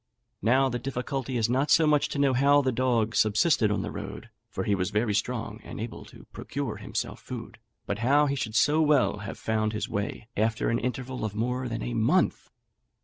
Now the difficulty is not so much to know how the dog subsisted on the road (for he was very strong, and able to procure himself food), but how he should so well have found his way after an interval of more than a month!